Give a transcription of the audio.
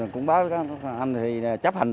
cũng báo các anh thì chấp hành